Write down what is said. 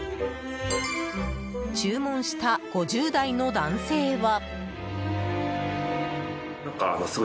注文した５０代の男性は。